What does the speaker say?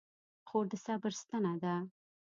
خور د صبر ستنه ده.